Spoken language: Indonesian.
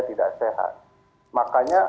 tidak sehat makanya